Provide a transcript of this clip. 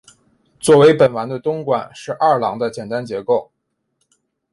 作为本丸的东馆是二廓的简单结构。